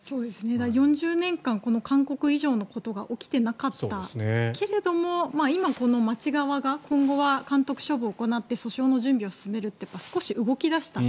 だから４０年間勧告以上のことが起きていなかったけれども今、この町側が今後は監督処分を行って訴訟の準備を進めると少し動き出した。